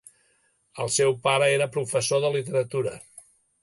El seu pare era professor de literatura.